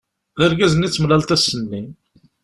D argaz-nni i d-temlaleḍ ass-nni.